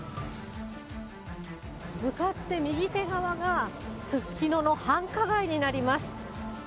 向かって右手側がすすきのの繁華街になります。